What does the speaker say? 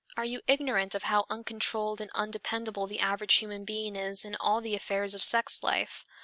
Are you ignorant of how uncontrolled and undependable the average human being is in all the affairs of sex life?